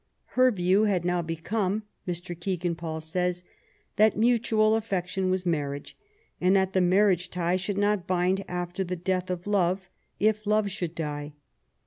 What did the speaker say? ^* Her view had now become/' Mr. Kegan Paul says, ''that mutual affection was marriage, and that the marriage tie should not bind after the death of love, if love should die.''